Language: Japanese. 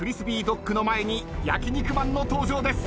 ドッグの前に焼肉マンの登場です。